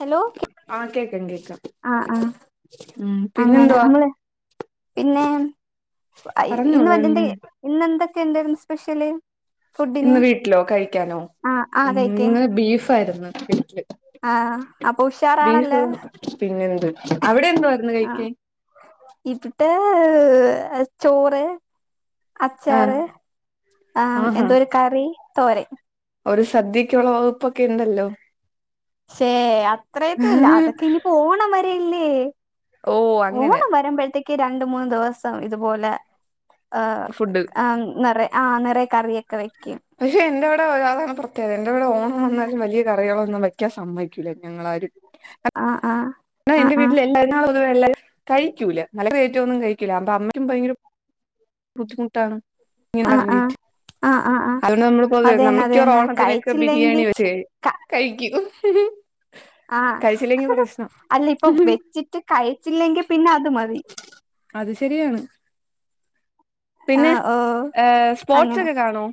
Hello ആഹ് കേക്കാം കേക്കാം ആഹ് ആഹ് ഉം അങ്ങനെ പിന്നെന്തുവാ നമ്മള് പിന്നെ ആഹ് ഇന്ന് വരുന്നുണ്ട് ഇന്ന് എന്തൊക്കെ ഉണ്ടായിരുന്നു സ്പെഷ്യല് ഫുഡിന് ഇന്ന് വീട്ടിലോ കഴിക്കാനോ ആഹ് ആഹ് ഉം കഴിക്കെ ഇന്ന് ബീഫായിരുന്നു വീട്ടില് ആഹ് അപ്പൊ ബീഫ് ഉഷാറാണല്ലോ പിന്നെ എന്ത് അവിടെ എന്തുവാരുന്നു കഴിക്കാൻ ഇവിടേ ചോറ്, ആഹ് അച്ചാറ് ആഹ് ആഹാ എന്തോരു കറി, തോരൻ ഒരു സദ്യക്കുള്ള വകുപ്പോകെയുണ്ടല്ലോ. ശേ അത്രയത്തും ഇല്ല അതൊക്കെ ഇനിയിപ്പം ഓണം വ ഓ അങ്ങനെ ഓണം വരുമ്പോഴത്തേക്ക് രണ്ട് മൂന്ന് ദിവസം ഇതുപോലെ ആഹ് ഫുഡ് ആ നിറേ ആഹ് നിറേ കറിയൊക്കെ വെക്കും. പക്ഷെ എന്റെ ഇവിടെ അതാണ് പ്രത്യേകത എന്റെവിടെ ഓണം വന്നാലും വലിയ കറികളൊന്നും വയ്ക്കാൻ സമ്മയ്ക്കൂല്ല ഞങ്ങൾ ആരും ആഹ് ആഹ് ആഹ് എന്റെ ആഹ് വീട്ടില് [inaudible] എല്ലാരും കഴിക്കൂല നല്ല ഐറ്റൊന്നും കഴിക്കൂല്ല അപ്പൊ അമ്മയ്ക്കും ഭയങ്കര ബുദ്ധിമുട്ടാണ്. ഇങ്ങനെ ആഹ് കണ്ടിട്ട് ആഹ് ആഹ് ആഹ് ആഹ് അതുകൊണ്ട് നമ്മള് ഇപ്പം അതന്നെ മിക്കവാറും അതന്നെ ഓണത്തിനൊക്കെ കഴിച്ചില്ലെങ്കി ബിരിയാണി വെച്ച് ക കഴി കഴിക്കും. ആഹ് കഴിച്ചില്ലെങ്കി പ്രശ്നം അല്ല ഇപ്പൊ വെച്ചിട്ട് കഴിച്ചില്ലെങ്കിൽ പിന്നെ അത് മതി അത് ശരിയാണ്. പിന്നെ ആഹ് ഓഹ് ഏഹ് അങ്ങനെ സ്പോർട്സോക്കെ കാണുവോ?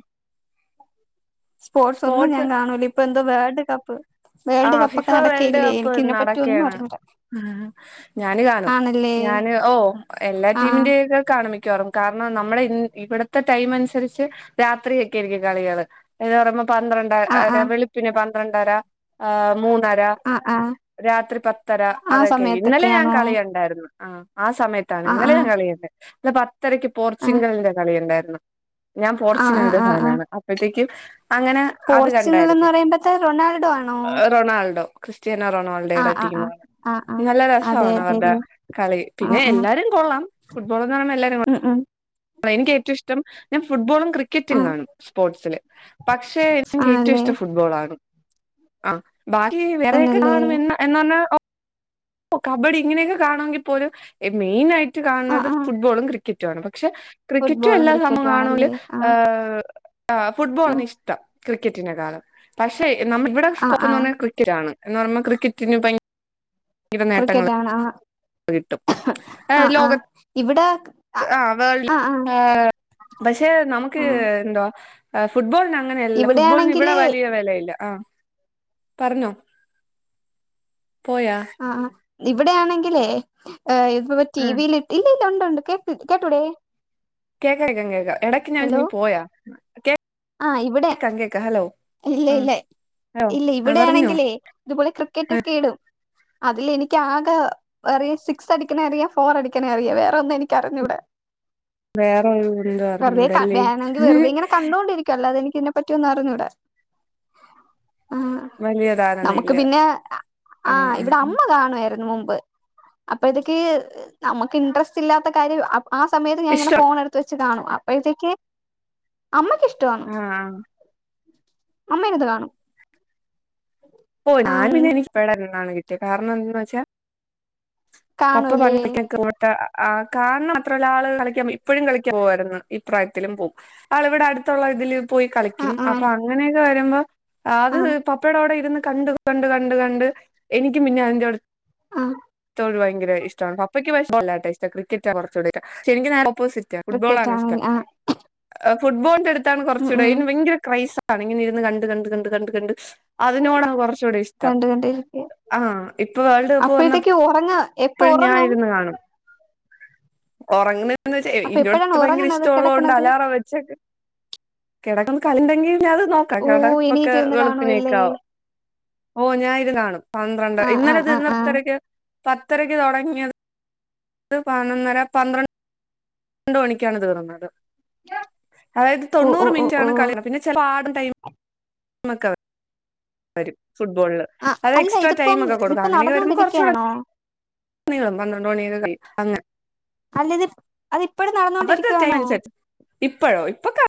സ്പോർട്സ് ഒന്നും ഞാൻ കാണൂല ഇപ്പൊ എന്തോ വേൾഡ് കപ്പ് വേൾഡ് ആഹ് കപ്പ് ഫിഫ ഒക്കെ നടക്കല്ലേ എനിക്ക്‌ ഇതിനെപ്പറ്റിയോന്നും അറിഞ്ഞൂടാ. ആഹ് ഞാന് കാണും ഞാന് ഓഹ് എല്ലാ ആഹ് ടീമിന്റെ ഒക്കെ കാണും മിക്ക മിക്കവാറും കാരണം നമ്മുടെ ഇവിടത്തെ ടൈം അനുസരിച്ച് രാത്രി ഒക്കെ ആയിരിക്കും കളികള് ന്ന് പറയുമ്പോ ആഹ് പന്ത്രണ്ടര ആഹ് വെളുപ്പിന് പന്ത്രണ്ടര ആഹ് മൂന്നര ആഹ് ആഹ് രാത്രി പത്തര ആ അതൊക്കെ ഇന്നലെ ഞാൻ സമയത്തൊക്കെയാണോ കളി കണ്ടായിരുന്നു. ആഹ് ആ സമയത്താണ് ആഹ് ഇന്നലെ ഞാൻ കളികണ്ട് ഇന്നലെ പത്തരക്ക് ആഹ് ആഹ് പോർച്ചുഗലിന്റെ കളിയുണ്ടായിരുന്നു. ഞാൻ ആഹ് ആഹ് പോർച്ചുഗലിന്റെ ആഹ് ആഹ് ഫാനാണ് അപ്പോഴത്തേക്കും അങ്ങനെ അത് പോർച്ചുഗൽ എന്ന് കണ്ടായിരുന്നു പറയുമ്പോഴത്തെ റൊണാൾഡോ ആണോ റൊണാൾഡോ ക്രിസ്യാനോ ആഹ് റൊണാൾഡോയുടെ ആഹ് ആഹ് ടീമാണ്. ആഹ് ആഹ് നല്ല അതെ രസമാണ് അവരുടെ അതെല്ലേ കളി പിന്നെ ആഹ് ആഹ് എല്ലാരും കൊള്ളാം ഫുട്ബോൾ എന്ന് പറയുമ്പോ എല്ലാരും ഉം ഉം എനിക്ക്‌ ഏറ്റവും ഇഷ്ടം ഞാൻ ഫുട്ബോളും ക്രി ആ ക്കറ്റും കാണും സ്പോർട്സില് പക്ഷെ എനിക്ക് ഏറ്റവും ആണല്ലേ ഇഷ്ടം ഫുട്ബോൾ ആണ്. ആഹ് ബാക്കി വേറെയൊക്കെ തന്നല്ലേ കാണും എന്ന എന്നാ പറഞ്ഞ് ഓ കബഡി ഇങ്ങനെയൊക്കെ കാണമെങ്കിൽ പോലും മെയിൻ ആയിട്ട് ആ കാണുന്നത് ആ ഫുട്ബോളും ക്രിക്കറ്റു ആണ് പക്ഷേ ക്രിക്കറ്റ് ഫുട്ബോളും എല്ലാ സംഭവും ക്രിക്കറ്റും ആണല്ലേ കാണോങ്കില് ആ ആഹ് ആഹ് ആ ഫുട്ബോളാണ് ഇഷ്ടം ക്രിക്കറ്റിനെക്കാളും പക്ഷേ നമ്മള് വിടെ ആ സ്കോപ്പ് ആ എന്ന് പറഞ്ഞാ ക്രി [unintelligible] എന്ന് പറഞ്ഞാ ക്രിക്കറ്റിന് ഭയങ്ക ക്രിക്കറ്റാണ് ആഹ് കിട്ടും ആഹ് ആഹ് ഇവിടെ ആ ആഹ് വേൾ ആ ആ ഏ പക്ഷേ നമുക്ക് ആ എന്തോ ഫുട്ബോളിന് അങ്ങനെയല്ല ഫുട്ബോളിന് ഇവിടെ ഇവിടെയാണെങ്കില് വലിയ വെലയില്ല ആഹ് പറഞ്ഞോ പോയാ ആഹ് ആഹ് ഇവിടെയാണെങ്കിലേഏ ഇപ്പൊ ടി ആ വി ല് ഇല്ലല്ലാ ഉണ്ടുണ്ട് കേട്ട് കേട്ടൂടെ കേക്കാം കേക്കാം കേക്കാം എടക്ക് വെച്ച് ഞാൻ നീ പോയാ ആഹ് ഇവിടെ ക്കാ കേക്കാ ഹലോ ഇല്ല ആ ഇല്ല ഹലോ ഇല്ല ആ പറഞ്ഞോ ഇവിടെയാണെങ്കിലേ ഇതുപോലെ ക്രിക്കറ്റ് ആ ഒക്കെ ഇടും അതില് എനിക്ക് ആകെ അറിയാ സിക്സ് അടിക്ക്ണെ അറിയാ ഫോർ അടിക്കനെ അറിയാ വേറെ ഒന്നും എനിക്കറിഞ്ഞൂടാ വേറെ ഒരു കുന്തം വെറുതെ കാ അറിഞ്ഞൂടല്ലേ വേണെങ്കി വെറുതെ ഇങ്ങനെ കണ്ടൊണ്ടിരിക്കാ അല്ലാതെ അതിനെ പറ്റിയൊന്നും അറിഞ്ഞൂടാ ആഹ് വലിയ ധാരണ നമുക്ക് ഇല്ല പിന്നെ ആഹ് ഇവിടെ അമ്മ കാണുവായിരുന്നു മുമ്പ് അപ്പൊ ഇതൊക്കെ നമുക്ക് ഇൻട്രസ്റ്റ് ഇല്ലാത്ത കാര്യം ആഹ് സമയത്ത് ഞാൻ ഇങ്ങനെ ഇഷ്ടം ഫോൺ എടു ത്ത് വെച്ച് കാണും അപ്പോഴത്തേക്ക് അമ്മക്ക് ഇഷ്ടാണ് ആഹ് അമ്മയിര്ന്ന് കാണും ഓഹ് ഞാന് ആഹ് പിന്നെനിക് ഇപ്പടെ എണ് കിട്ടിയ കാരണം എന്തന്ന് വെച്ചാ പപ്പ കാണുവല്ലേ പണ്ട് [unintelligible] മാത്രമല്ല ആ കളിക്ക ഇപ്പോഴും കളി ക്കാൻ പോവായ്രുന്നു ഇപ്രായത്തിലും പോകും ആള് വിടെ അടുത്തുള്ള ഇതില് പോയി കളിക്കും ആഹ് ആഹ് അപ്പൊ അങ്ങനെയൊക്കെ ക്കുമ്പോ അത് ആഹ് പപ്പടവിടെ ഇരുന്ന് കണ്ട് കണ്ട് കണ്ട് കണ്ട് എനിക്കും പിന്നെ അതിന്റെ ആഹ് ഒരു ഭയങ്കര ഇഷ്ടമാണ് പപ്പക്ക് [unintelligible] ക്രിക്കറ്റാ കൊറച്ചൂടെ ഇഷ്ടം പക്ഷേ എനിക്ക് നേരെ ഓപ്പോസിറ്റാ റ്റം ക്രിക്കറ്റ് ഫുട്ബോളാണ് ഇഷ്ടം ആണല്ലേ ആഹ് ഫുട്ബോളിന്റെ അടുത്താണ് ഉം കുറച്ചുകൂട ഉം അതിന് ഭയങ്കര ക്രൈസ്സാണ് ഇങ്ങനെ ഇരുന്ന് കണ്ട് കണ്ട് കണ്ട് കണ്ട് കണ്ട് അതിനോടാണ് കൊറച്ചുകൂടെ ഇഷ്ടം കണ്ട് കണ്ടിരിക്ക ആഹ് ഇപ്പൊ വേൾഡ് കപ്പ് വന്ന ക്ക് ഒറങ്ങാ എ പ്പഴും ഞാൻ ഇരുന്ന് കാണും ഒറങ്ങ്ണ എന്താ വെച്ചാ എനി അപ്പൊ ഇന്റെ എപ്പോഴാണ് അടുത്ത് ഭയങ്കര ഉറങ്ങണത് ഇഷ്ടമള്ളതോണ്ട് കിടക്കണത് അലാറം വെച്ച് കിടക്കുമ്പോ കളിണ്ടെങ്കിൽ ഞാ അത് നോക്കാം ഓ [unintelligible] എണീറ്റിരുന്ന് കാണുവല്ലേ വെളുപ്പിനീക്കാ ഓഹ് ഞാ ഇരുന്ന്കാണും പന്ത്രണ്ട് ആഹ് ഇന്നലെ ആഹ് ആഹ് തീരുന്ന ആഹ് പത്തരക്ക് പത്തരയ്ക്ക് തുടങ്ങിയത് പതിനൊന്നര പന്ത്രണ്ട് ന്ത്രണ്ട് മണിക്കാണ് തീർന്നത് അതായത് ഓ ഓ തൊണ്ണൂറ് ഓ ഓ മിനുട്ടാണ് കളി വര്നത് പിന്നെ ചെലപ്പോ [unintelligible] ടൈമൊക്കെ വരും ഫുട്ബോളില് ആ അത് അല്ല എക്സ്ട്രാ ഇതിപ്പം ടൈമ് ഒക്കെ കൊടുക്കും ഇതിപ്പോ അങ്ങനെവരുമ്പോൾ കൊർച്ചൂടെ നടന്നോണ്ടിരിക്കയാണോ നിങ്ങളും [unintelligible] അല്ലത് അത് ഇപ്പളും നടന്നോണ്ടിരിക്കാണോ ഇപ്പഴോ ഇപ്പൊ ക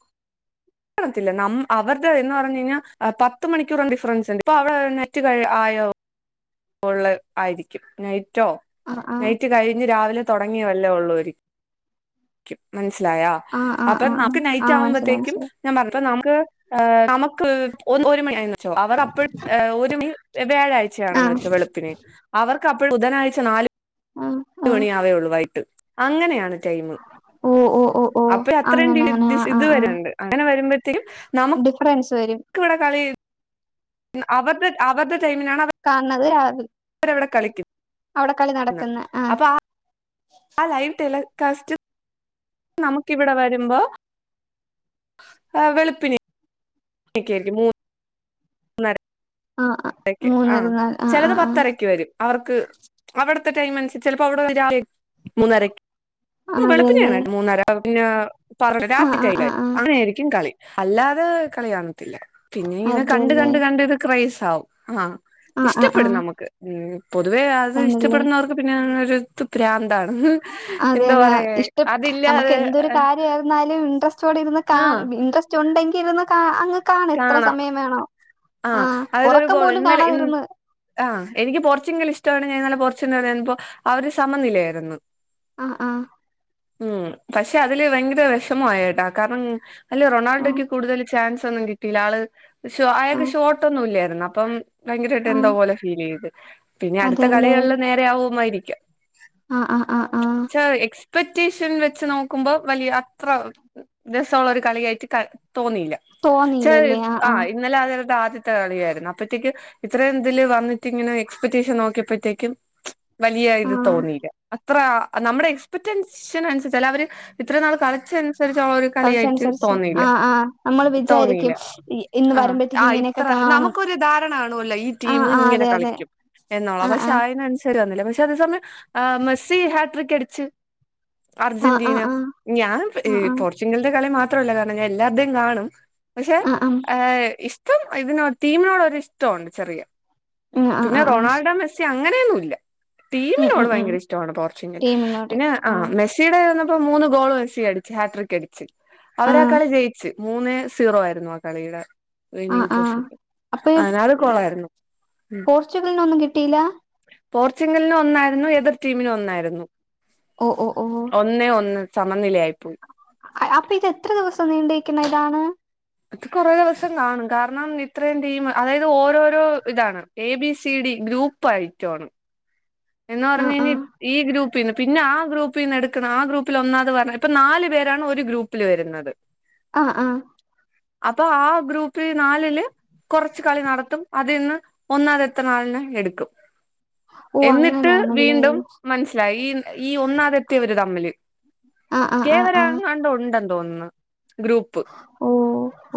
കാണത്തില്ല നമ്മ അവരുടെ എന്ന് പറഞ്ഞ് കഴിഞ്ഞാ പത്ത് മണിക്കൂറ് ഡിഫറൻസ്ണ്ട് ഇപ്പ അവിടെ നെറ്റ് ക ആയോ പ്പോ ഉള്ളത് ആയിരിക്കും നൈറ്റോ ആ ആ നൈറ്റ് കഴിഞ്ഞ് രാവിലെ തൊടങ്ങിയവല്ലേ ഉള്ളൂ [unintelligible] മനസ്സിലായാ ആ ആ അപ്പൊ ആ ആ നമുക്ക് ആ നൈറ്റ് മനസ്സിലായി ആവുമ്പത്തേക്കും മനസ്സിലായി ഞാൻ പറഞ്ഞപ്പോ നമുക്ക് ഏഹ് നമുക്ക് ഒ ഒരു മണിയായി അവർ അപ്പഴും ഒരു ആ വ്യാഴാഴ്ചയാണെന്ന് വ പി അവർക്ക് അപ്പോഴ ബുധനാഴ്ച നാല ആ ആ മണിയാവേ വൈകിട്ട് അങ്ങനെയാണ് ടൈമ് ഓ ഓ ഓ ഓ അപ്പെ അത്രേം ടി അങ്ങനെ അങ്ങനെ ആ ടിസ് ആ ഇത് ആ വരാണ്ട് അങ്ങനെ വരുമ്പത്തെയും നാ ഡിഫറൻസ് വരും ക്ക് ഇവിടെ കളീ ന്ന അവര്ടെ അവര്ടെ ടൈമിനാണ് കാണത് രാവ് ര് ഇവിട കളിക്കും അവിട കളി നടക്കുന്ന ആഹ് ആഹ് ലൈവ് ടെലികാസ്റ്റ് നമുക്ക് ഇവിടെ വരുമ്പോ വെളുപ്പിനെ കെകേൽക്കും മൂന്ന് ആ ആ ഒന്നരക്ക് മൂന്നര ആഹ് നാല് ആ ആ ചെലത് ആ പത്തരക്ക് വരും അവർക്ക് അവിടുത്തെ ടൈം അനുസരിച്ച് ചിലപ്പോ അവിടെ രാവേ മൂന്നരക് വെളുപ്പിനെ അതല്ലേ ആണ് മൂന്നര പിന്നാ പറല്ലേ ആ ആ ആ രാത്തിറ്റയില് ആ അങ്ങനെ ആയിരിക്കും കളി അല്ലാതെ കളി കാണത്തില്ല പിന്നെ ഇങ്ങനെ കണ്ട് അതല്ലേ കണ്ട് കണ്ട് ഇത് ക്രായ്സ് ആവും ആഹ് ആ ആ ആ ഇഷ്ടപ്പെടും നമുക്ക് ഉം പൊതുവേ അത് ഇഷ്ടപ്പെടുന്നവർക്ക് പിന്നെ ന്നൊരു അതെന്ന പറയാ ഇഷ്ടം അതില്ലാതെ നമുക്ക് എന്തൊരു കാര്യം ആയിരുന്നാലും ഇന്റസ്റ്റോടെ ഇരുന്ന് ആഹ് കാണ് ഇൻട്രസ്റ്റ് ഉണ്ടെങ്കിൽ ഇരുന്ന് കാ അങ്ങ് കാണ് എത്ര കാണാം സമയം വേണോ ആഹ് അതായത് ഒരു ഒറക്കം ഗോൾ പോലും ഇന്നലെ ഇ കാണാതിരുന്ന് ആഹ് എനിക്ക് പോർച്ചുങ്കൽ ഇഷ്ടോണ് ഞാൻ ഇന്നലെ പോർച്ചുനന്ന് നേപ്പോ അവര് സമനിലേരുന്നു ആഹ് ആഹ് ഉം പക്ഷെ അതില് ഭയങ്കര വിഷമം ആയേട്ടാ കര്യം അല്ല ആഹ് റൊണാൾഡോക്ക് കൂടുതൽ ചാൻസ് ഒന്നും കി ട്ടീല ആള് ഷ്യോട്ട് അയാക്ക് ആഹ് ഷോർട്ടൊന്നും ഇല്ലാരുന്നു അപ്പം ഭയങ്കരമായിട്ട് എന്തോ ആഹ് പോലെ ഫീൽ ചെയ്ത് പിന്നെ അടുത്ത അതെല്ലേ കളികളില് നേരെ ആവുമായിരിക്കാം ആഹ് ആഹ് ആഹ ചോയിച്ച് പറ്റീഷൻ വെച്ച് നോക്കുമ്പോൾ വലിയ അത്ര രസൊള്ളരു കളിയായിട്ട് തോന്നിയില്ല ച്ചാ ആഹ് ഇന്നലെ ആതത് ആദ്യ ത്ത കളിയായിരുന്നു അപ്പഴത്തേക്കും ഇത്രേം ഇതില് വന്നിട്ട് ഇങ്ങനെ എക്സ്പെക്ടേഷൻ നോക്കിയപ്പത്തേക്കും വലിയ ഇത് ആഹ് തോന്നിയില്ല അത്ര നമ്മുടെ എക്സ്പെക്റ്റൻഷ്ന് അനുസരിച്ചല്ല അവര് ഇത്ര നാള് കളിച്ച അനുസരിച്ച് ഓര് കളിയാറ്റ് കളിച്ചനുസരിച്ച് തോന്നീല്ല ആഹ് ആഹ് നമ്മള് തോന്നീല്ല വിചാരിക്കും ഇന്ന് ആഹ് വരുമ്പോഴത്തേക്ക് ആഹ് ഇത്ര ഇങ്ങനെയൊക്കെ കാണും നമുക്കൊരു ധാരണ കാണുല്ലാ ഈ ആഹ് ടീമ് ആഹ് ഇങ്ങനെ അതെ അതെ കളിക്കും എന്നോള ആഹ് പക്ഷേ ആഹ് അയിന് അനുസര് വന്നില്ല പക്ഷേ അതേ സമയം മെസ്സി ഹാട്രിക് അടിച്ച് ആഹ് ആഹ് അർജന്റീന ആഹ് ഞാൻ ആഹ് പോർച്ചുഗലിന്റെ കളി മാത്രല്ല കാരണം ഞാൻ എല്ലാർടേം കാണും പക്ഷേ ആഹ് ആഹ് ഇഷ്ടം ഇതിനോ ടീമിനോട് ഒരു ഇഷ്ട ഒണ്ട് ചെറിയ ആഹ് ആഹ് പിന്നെ ആഹ് ആഹ് റൊണാൾഡോ മെസ്സി അങ്ങനെ ഒന്നും ഇല്ല ഉം ടീമിനോട് ഉം ഉം ഭയങ്കര ഇഷ്ടോണ് പോർച്ചുഗൽ പിന്നെ ആഹ് മെസ് ചീടെ ഇത് വന്നപ്പം മൂന്ന് ഗോൾ മെസി അടിച്ച് ഹാട്രിക് അടിച്ച് അവര് ആ ആഹ് കളി ജയിച്ച് മൂന്നേ സീറോ ആയിരുന്നു ആ കളീടെ ആഹ് വിന്നിങ് ആഹ് പൊസ് അപ്പൊ ആതത് കോള്ളാരുന്നു ഉം പോർച്ചുഗലിനൊന്നും കിട്ടിയില്ല പോർച്ചുഗൽന് ഒന്നാരുന്നു എതിർ ടീമിനും ഒന്നാരുന്നു ഓ ഓ ഓ ഒന്നേ ഒന്ന് സമനിലേ ആയിപ്പോയി അപ്പ ഇത് എത്ര ദിവസം നീണ്ട് നിക്കണ ഇതാണ് അത് കൊറെ ദിവസം കാണും കാരണം ഇത്രയും ടീം അതായത് ഓരോരോ ഇതാണ് A B C D group ആയിറ്റോണ് എന്ന് ആഹ് പറഞ്ഞേല് ആഹ് ഈ ഗ്രൂപ്പിന്ന് പിന്നെ ആ ഗ്രൂപ്പിന്ന് എട്ക്കണ ആ ഗ്രൂപ്പില് ഒന്നാമത് പറഞ്ഞേ ഇപ്പൊ നാല് പേരാണ് ഒരു ഗ്രൂപ്പിൽ വരുന്നത് ആഹ് ആഹ് അപ്പോ ആ ഗ്രൂപ്പി നാലില് കുറച്ച് കളി നടത്തും അതിൽന്ന് ഒന്നാമത് എത്ത്ണ ആളിനെ എടുക്കും ഓ എന്നിട്ട് അങ്ങനെയാണല്ലേ വീണ്ടും മനസ്സിലായി ഈ ഈ ഒന്നാത് എത്തിയവര് തമ്മില് ആഹ് ആഹ് ആഹ് കേവര ആഹ് ങ്ങാണ്ട് ഉണ്ടെന്ന് തോന്ന്ന്നു ഗ്രൂപ്പ് ഓ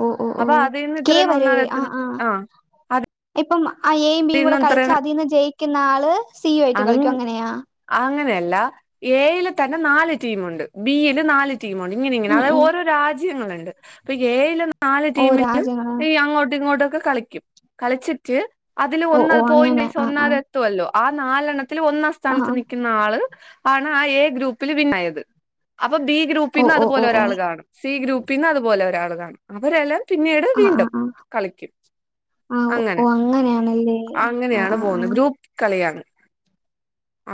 ഓ ഓ ഓ അപ്പൊ അതിൽന്ന് ഇത്രയും ഒന്നാത് എത്ത്ന്ന ആഹ് ഇപ്പം അ എയും ബീയും കൂടെ കളിച്ച് അതിന്ന് ജയിക്കുന്ന ആള് സീയു ആയിട്ട് ഇത്രയും കളിക്കും അങ്ങനെയാ അങ്ങനെയല്ല എയില് തന്നെ നാല് ടീമുണ്ട് ബിയിൽ നാല് ടീമൊണ്ട് ഇങ്ങനെ ഇങ്ങനെ ഉം അതായത് ഉം ഓരോ രാജ്യങ്ങള്ണ്ട് അപ്പൊ ഏയിലും നാല് ഓ ടീമിലും രാജ്യങ്ങളാ ഈ അങ്ങോട്ടും ഇങ്ങോട്ടൊക്കെ കളിക്കും കളിച്ചിട്ട് അതില് ഓ ഓ ഒന്നാത് പോയിന്റ് അങ്ങനെ വൈസ് ആഹ് ഒന്നാത് ആഹ് എത്തുഅല്ലോ ആ നാലെണ്ണത്തിൽ ഒന്നാം ആഹ് സ്ഥാനത്ത് ആഹ് നിക്ക ക്ക്ന്ന ആൾ ആണ് ആ എ ഗ്രൂപ്പിൽ വിന്നായത് അപ്പൊ ബി ഓ ഗ്രൂപ്പിന്ന് ഓ അതുപോലെ ഓ ഓ ഒരാള് കാണും സി ഗ്രൂപ്പിന്ന് അതുപോലെ ഒരാള് കാണും അവരെല്ലാം പിന്നീട് ആഹ് ആഹ് വീണ്ടും ആഹ് കളിക്കും ആഹ് ഓ അങ്ങനെ അങ്ങനെയാണല്ലേ ആഹ് അങ്ങനെയാണ് ആഹ് പോന്നെ ആഹ് ഗ്രൂപ്പ് കളിയാണ്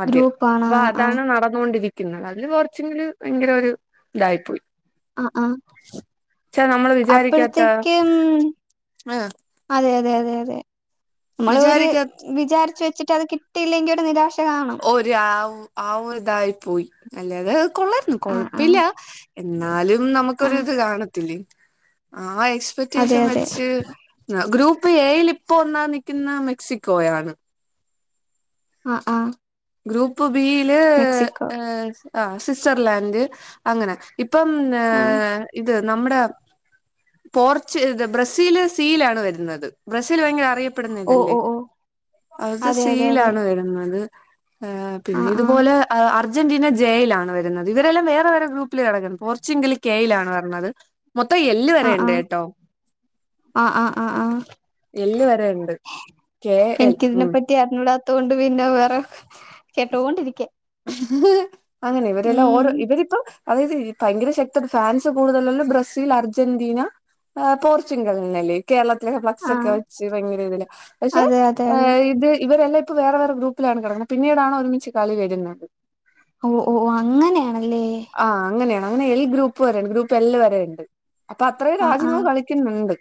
ആദ്യം ഗ്രൂപ്പാണ് അപ്പൊ ആഹ് ആഹ് അതാണ് നടന്നൊണ്ടിരിക്കുന്നത് അതില് കുറച്ചെങ്കിലും ഭയങ്കര ഒരു ഇതായിപ്പോയി ആഹ ആഹ നമ്മള് വിചാരിക്കാത്ത അപ്പഴത്തേക്കും ആഹ് അതെ അതെ അതെ അതെ അമ്മൾ ഒരു വിചാരിക്കാ വിചാരിച്ച് വെച്ചിട്ട് അത് കി കിട്ടിയില്ലെങ്കിൽ ഒരു നിരാശ കാണും ഒര് ആവ് ആഹ് ഒര് ഇതായി പോയി അല്ലെ അത് കൊള്ളാരുന്നു ആഹ് ആഹ് കൊഴപ്പില്ല എന്നാലും നമുക്കൊര് ആഹ് ഇത് കാണത്തില്ലെ ആ അതെ എക്സ്പെക്റ്റേഷൻ അതെ വെച്ച് ഗ്രൂപ്പ് എയിൽ ഇപ്പൊ ഒന്നാമ് നിൽക്കുന്ന മെക്സിക്കോയാണ് ആഹ ആഹ ഗ്രൂപ്പ് ബീയില് ഏഹ് ആഹ് സ്വിറ്റ്സർലാൻഡ് അങ്ങനെ ഇപ്പം ആഹ് ഏഹ് ഇത് നമ്മ്ടെ പോർച്ചു ബ്രസീല് സീയിലാണ് വരുന്നത് ബ്രസീൽ ഭയങ്കര അറിയ പ്പെടുന്ന ഓ ഇതല്ലേ ഓ ഓ അത് അതെ അതെ അതെ സീയിലാണ് വരുന്നത് ഏഹ് പിന്നെ ആഹ് ആഹ് ഇതുപോലെ അർ അർജന്റീന ജെയിലാണ് വരുന്നത് ഇവരെല്ലാം വേറെ വേറെ ഗ്രൂപ്പില് കെടക്ക്ന്ന് പോർച്ചുഗൽ കെയിലാണ് വരണത് മൊത്തം എല്ല് വരെണ്ട് കേട്ടോ ആഹ ആഹ ആഹ ആഹ എല്ല് വരെ ഉണ്ട് കെ എൽ ഉം പറ്റി അറിഞ്ഞൂടാത്തോണ്ട് പിന്നെ വേറെ കേട്ടുകൊണ്ടിരിക്കേ അങ്ങനെ ഇവരെല്ലാം ഓരോ ഇവരിപ്പോ അതായത് ഭയങ്കര ശക്ത് ഫ്രാൻസ് കൂടുതലള്ള ബ്രസീൽ അർജന്റീന ആഹ് പോർച്ചുഗലിനല്ലെ കേരളത്തിലൊക്കെ ഫ്ലക്സ് ഒക്കെ ആഹ് വെച്ച് ഭയങ്കര ഇതിൽ പക്ഷെ അതെ അതെ അതെ ഇത് ഇവരെല്ലാം പ്പ്‌ വേറെ വേറെ ഗ്രൂപ്പിലാണ് കിടക്കുന്നത് പിന്നീടാണ് ഒരുമിച്ച് കളി വരുന്നത് ഓഹ് ഓഹ് അങ്ങനെയാണല്ലേ ആഹ് അങ്ങനെയാണ് അങ്ങനെ എൽ ഗ്രൂപ്പ് വരെണ്ട് ഗ്രൂപ്പ് എല്ല് വരെ ഉണ്ട് അപ്പൊ അത്രയും ആഹ് രാജ്യങ്ങൾ ആഹ് കളിക്കുന്നുണ്ട്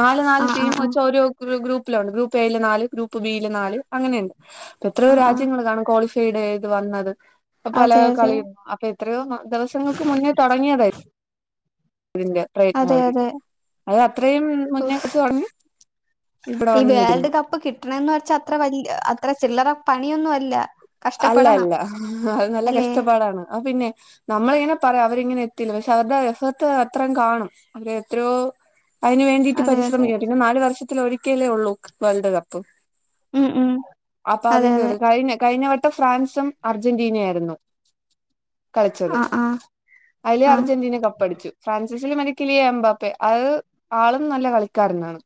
നാല് നാല് ആഹ് ടീം ആഹ് വെച്ച് ഓരോ ഗ്രൂ ഗ്രൂപ്പിലുണ്ട് ഗ്രൂപ്പ് എയില് നാല് ഗ്രൂപ്പ് ബിയില് നാല് അങ്ങനെയുണ്ട് അപ്പൊ എത്രയോ ആഹ് ആഹ് ആഹ് രാജ്യങ്ങള് കാണും കോളിഫൈ ഇത് വന്നത് പല അതെ അതെ കളിയും ഒക്കെ എത്രയോ ദിവസങ്ങൾക്ക് മുന്നേ തുടങ്ങിയതാ ഇത് ഇതിന്റെ പ്രയത്നം അതെ അവര് അതെ അത് അത്രയും ഓ മുന്നേച്ച തുടങ്ങി ഇവിടെ ഈ വന്ന് വേൾഡ് നിൽക്കുന്നു കപ്പ് കിട്ടണന്ന് വെച്ചാ അത്ര വല്യ അത്ര ചില്ലറ പണിയൊന്നും അല്ല അല്ല കഷ്ടപ്പെടണം അല്ല അത് നല്ല അല്ലേ കഷ്ടപ്പാടാണ് ആ പിന്നെ നമ്മളിങ്ങനെ പറയും അവരിങ്ങനെ എത്തിയില്ല പക്ഷെ അവരുടെ എഫർട്ട് അത്രയും കാണും അവരെ എത്രയോ അതിന് വേണ്ടിട്ട് അതെ അതെ പരിശ്രമിക്കും പിന്നെ നാലു വർഷത്തില് ഒരിക്കെ അല്ലെ ഉള്ളൂ വേൾഡ് കപ്പ് ഉം ഉം അപ്പൊ അതെ അതിന്റെ അതെ ഒരു കഴിഞ്ഞ കഴിഞ്ഞ വട്ടം ഫ്രാൻസും അർജന്റീന ആയിരുന്നു കളിച്ചത് ആഹ് ആഹ് അതില് ആ അർജന്റീന കപ്പ് അടിച്ചു ഫ്രാൻസ്‌സിൽ മറ്റെ കിലിയെ എമ്പാപ്പേ അത് ആളും നല്ല കളിക്കാരനാണ്